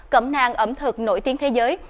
cẩm nang ẩm thực nổi tiếng thế giới